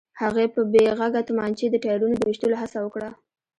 هغې په بې غږه تومانچې د ټايرونو د ويشتلو هڅه وکړه.